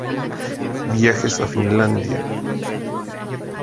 Viajes a Finlandia.